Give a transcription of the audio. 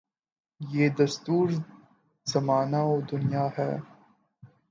یہ دستور زمانہ و دنیاہے۔